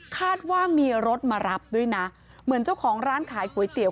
คาดว่ามีรถมารับด้วยนะเหมือนเจ้าของร้านขายก๋วยเตี๋ย